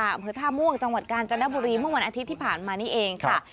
อำเภอท่าม่วงจังหวัดกาญจนบุรีเมื่อวันอาทิตย์ที่ผ่านมานี้เองค่ะ